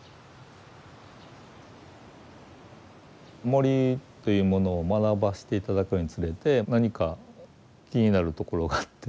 森というものを学ばせて頂くにつれて何か気になるところがあって。